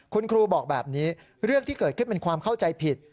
คุณครูบอกแบบนี้เรื่องที่เกิดขึ้นเป็นความเข้าใจผิด